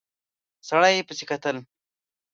سړي پسې کتل.